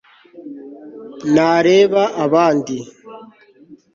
ntareba abandi